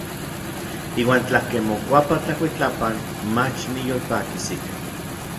Iuan tlakej mokuapa tlakuitlapan, mach niyolpakis ika.